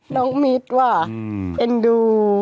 น้องมิดว่ะเอ็นดู